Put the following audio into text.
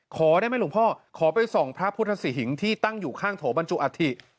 ขอได้ไหมหลวงพ่อขอไปส่องพระพุทธศรีหิงที่ตั้งอยู่ข้างโถบรรจุอัฐิ